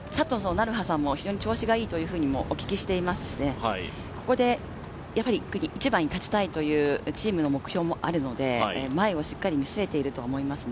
成葉さんも非常に調子がいいとお聞きしていますし、ここで勝ちたいというチームの目標もあるので前をしっかり見据えていると思いますね。